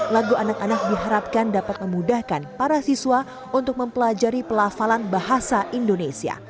lagu anak anak diharapkan dapat memudahkan para siswa untuk mempelajari pelafalan bahasa indonesia